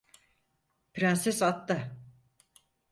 Prenses atta!